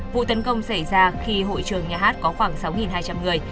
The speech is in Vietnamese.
vụ tấn công xảy ra khi hội trường nhà hát có khoảng sáu hai trăm linh người